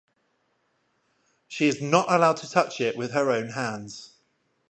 She is not allowed to touch it with her own hands.